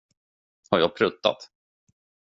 Har jag pruttat?